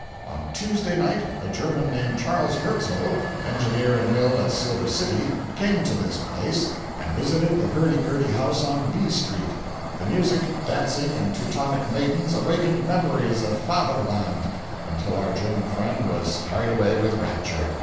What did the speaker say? —On Tuesday night, a German named Charles Hurtzal, engineer in a mill at Silver City, came to this place, and visited the hurdy gurdy house on B street. The music, dancing and Teutonic maidens awakened memories of Faderland until our German friend was carried away with rapture.